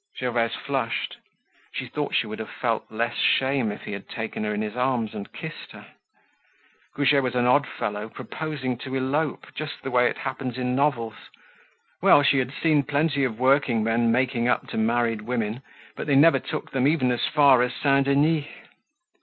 Gervaise flushed. She thought she would have felt less shame if he had taken her in his arms and kissed her. Goujet was an odd fellow, proposing to elope, just the way it happens in novels. Well, she had seen plenty of workingmen making up to married women, but they never took them even as far as Saint Denis.